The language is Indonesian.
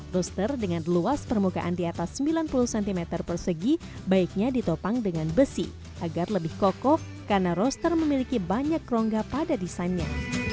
roster dengan luas permukaan di atas sembilan puluh cm persegi baiknya ditopang dengan besi agar lebih kokoh karena roster memiliki banyak rongga pada desainnya